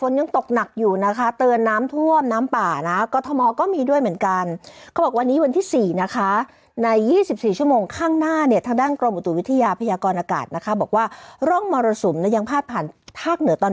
แล้วก็ใส่เป็นพวกตะโครงตะไคร้ลงไป